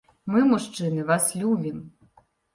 Мы, мужчыны, вас любім.